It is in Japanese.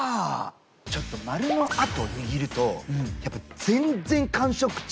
ちょっと丸のあと握るとやっぱ全然感触違いますわ。